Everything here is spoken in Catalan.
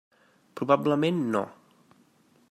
Probablement no.